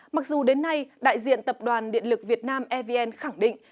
mặc dù đến nay đại diện tập đoàn điện lực việt nam evn khẳng định